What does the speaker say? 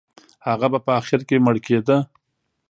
هغه به په اخر کې مړ کېده.